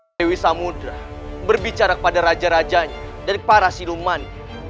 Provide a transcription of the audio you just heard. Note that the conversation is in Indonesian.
dewi samudera berbicara kepada raja rajanya dan para siluman